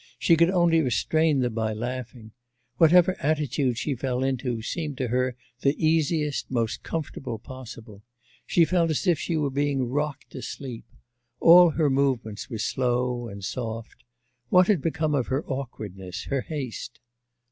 She could only restrain them by laughing. Whatever attitude she fell into seemed to her the easiest, most comfortable possible; she felt as if she were being rocked to sleep. All her movements were slow and soft; what had become of her awkwardness, her haste?